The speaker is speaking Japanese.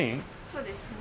そうですね。